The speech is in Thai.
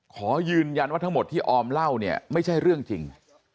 ขอยืนยันว่าทั้งหมดที่ออมเล่าเนี่ยไม่ใช่เรื่องจริง